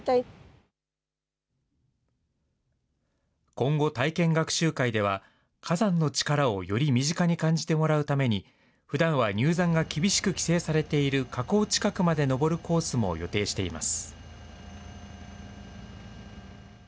今後、体験学習会では、火山の力をより身近に感じてもらうために、ふだんは入山が厳しく規制されている火口近くまで登るコースも予定しています。